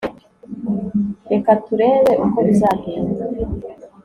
reka turebe uko bizagenda